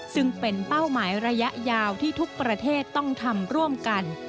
ซึ่งเป็นเป้าหมายระยะยาวที่ทุกประเทศต้องทำร่วมกัน